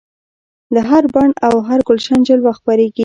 له هر بڼ او هر ګلشن جلوه خپریږي